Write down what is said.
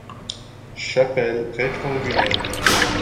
Chapelle rectangulaire.